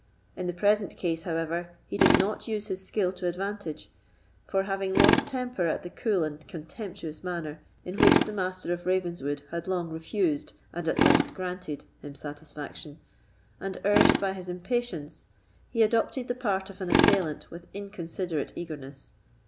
In the present case, however, he did not use his skill to advantage; for, having lost temper at the cool and contemptuous manner in which the Master of Ravenswood had long refused, and at length granted, him satisfaction, and urged by his impatience, he adopted the part of an assailant with inconsiderate eagerness.